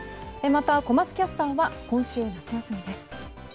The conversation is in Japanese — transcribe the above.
また小松キャスターは今週、夏休みです。